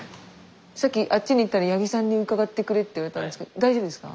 さっきあっちに行ったら八木さんに伺ってくれって言われたんですけど大丈夫ですか？